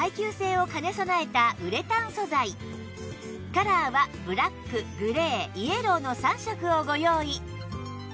カラーはブラックグレーイエローの３色をご用意